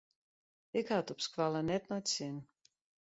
Ik ha it op skoalle net nei it sin.